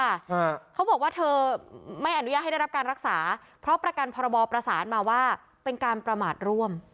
ฮะเขาบอกว่าเธอไม่อนุญาตให้ได้รับการรักษาเพราะประกันพรบประสานมาว่าเป็นการประมาทร่วม